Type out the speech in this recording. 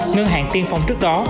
ngân hàng tiên phong trước đó